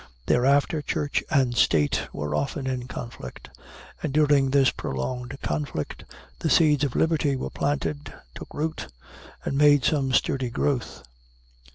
Thereafter, Church and State were often in conflict; and during this prolonged conflict the seeds of liberty were planted, took root, and made some sturdy growth.